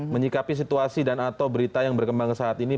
menyikapi situasi dan atau berita yang berkembang saat ini